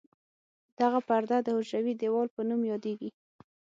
دغه پرده د حجروي دیوال په نوم یادیږي.